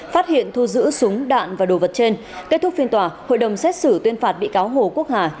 phát hiện thu giữ súng đạn và đồ vật trên kết thúc phiên tòa hội đồng xét xử tuyên phạt bị cáo hồ quốc hà